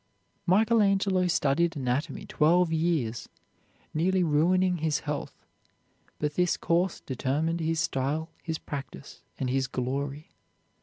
Michael Angelo studied anatomy twelve years, nearly ruining his health, but this course determined his style, his practice, and his glory.